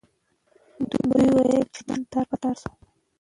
دوی وویل چې دښمن تار په تار سو.